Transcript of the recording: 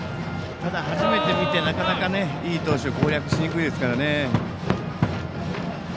ただ初めて見てなかなかいい投手は攻略しにくいですからね。